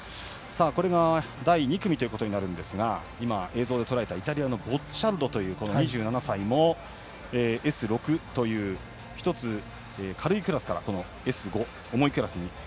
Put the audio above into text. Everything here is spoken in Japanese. これが第２組となるんですがイタリアのボッチャルドという２３歳もＳ６という１つ軽いクラスからＳ５の重いクラスに。